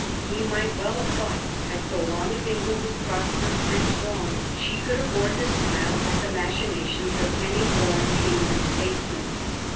He might well have thought that so long as England was prosperous and strong she could afford to smile at the machinations of any foreign kings and statesmen.